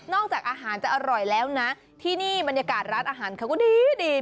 จากอาหารจะอร่อยแล้วนะที่นี่บรรยากาศร้านอาหารเขาก็ดีดี